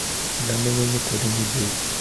Ён мяне ніколі не біў.